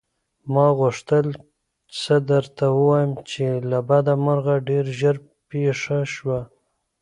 ما غوښتل څه درته ووايم چې له بده مرغه ډېر ژر پېښه شوه.